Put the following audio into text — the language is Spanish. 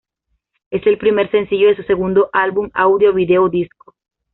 Es el primer sencillo de su segundo álbum "Audio, Video, Disco".